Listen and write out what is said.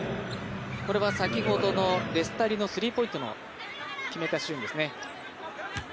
これは先ほどのレスタリのスリーポイントを決めたシーン。